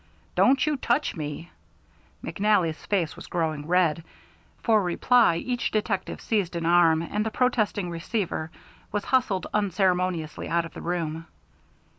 "Don't you touch me!" McNally's face was growing red. For reply each detective seized an arm, and the protesting receiver was hustled unceremoniously out of the room.